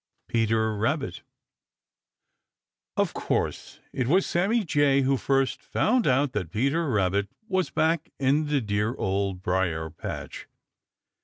Peter Rabbit. Of course it was Sammy Jay who first found out that Peter Rabbit was back in the dear Old Briar patch.